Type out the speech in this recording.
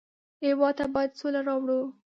هېواد ته باید سوله راوړو